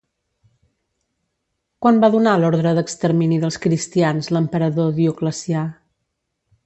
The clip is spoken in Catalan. Quan va donar l'ordre d'extermini dels cristians l'emperador Dioclecià?